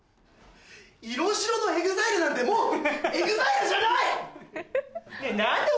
色白のＥＸＩＬＥなんてもうＥＸＩＬＥじゃない！